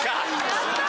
やった！